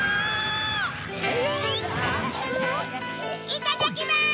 いただきまーす！